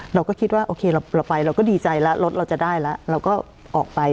เราก็คิดว่าโอเคเราไปเราก็ดีใจแล้วรถเราจะได้แล้วเราก็ออกไป